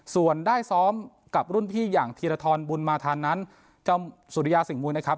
ส่วนได้ซ้อมกับรุ่นพี่อย่างธีรทรบุญมาธานนั้นเจ้าสุริยาสิ่งมุยนะครับ